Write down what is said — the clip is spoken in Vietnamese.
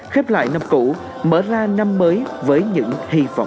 khép lại năm cũ mở ra năm mới với những hy vọng